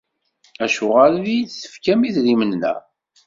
Acuɣer i iyi-d-tefkam idrimen-a?